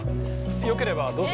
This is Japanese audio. よければどうぞ。